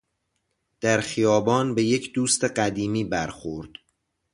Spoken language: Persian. در خیابان به یک دوست قدیمی برخورد.